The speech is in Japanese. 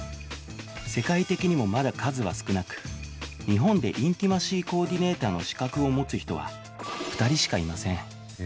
世界的にもまだ数は少なく日本でインティマシー・コーディネーターの資格を持つ人は２人しかいません